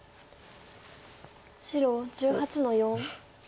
白１８の四。